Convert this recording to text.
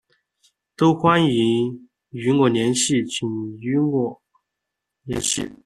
都欢迎与我联系请与我联系